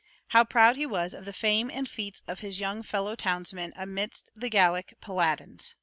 How proud he was of the fame and feats of his young fellow townsman amidst the Gallic paladins!